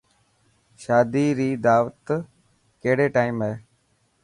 شادي ري داوتو ڪهڙي ٽائم هي.